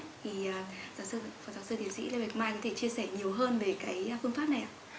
thì giáo sư phó giáo sư tiến sĩ lê bạch mai có thể chia sẻ nhiều hơn về cái phương pháp này ạ